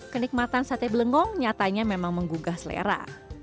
kenikmatan sate belengong nyatanya memang menggugah selera